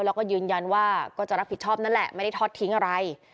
แล้วก็ยืนยันว่าก็จะรับผิดชอบนั่นแหละไม่ได้ทอดทิ้งอะไร